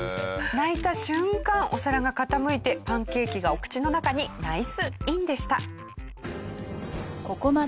泣いた瞬間お皿が傾いてパンケーキがお口の中にナイスインでした。